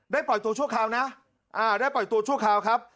ปล่อยตัวชั่วคราวนะได้ปล่อยตัวชั่วคราวครับ